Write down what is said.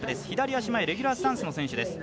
左足前レギュラースタンスの選手。